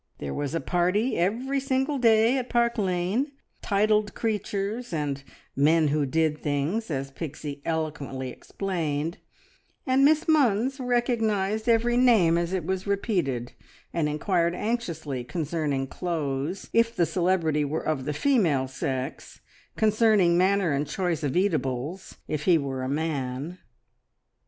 There was a party every single day at Park Lane titled creatures, and "men who did things," as Pixie eloquently explained, and Miss Munns recognised every name as it was repeated, and inquired anxiously concerning clothes, if the celebrity were of the female sex, concerning manner and choice of eatables, if he were a man.